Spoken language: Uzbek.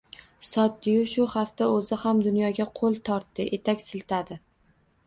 Sotdiyu shu hafta o'zi ham dunyoga qo'l tortdi, etak siltadi.